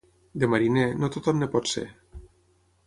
De mariner, no tothom en pot ser.